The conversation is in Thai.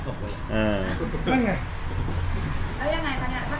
เราจะทำยังไงต่อไป